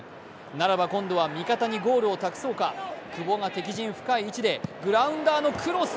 ならば今度は味方にゴールを託そうか久保が敵陣深い位置でグラウンダーのクロス。